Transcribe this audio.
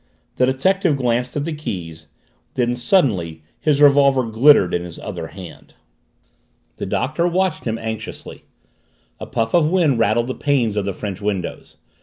The detective glanced at the keys then, suddenly, his revolver glittered in his other hand. The Doctor watched him anxiously. A puff of wind rattled the panes of the French windows.